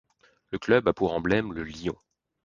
Le club a pour emblème le lion.